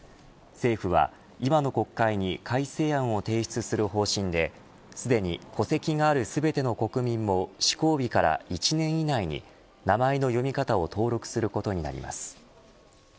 政府は、今の国会に改正案を提出する方針ですでに戸籍がある全ての国民も施行日から１年以内に名前の読み方を登録することになります。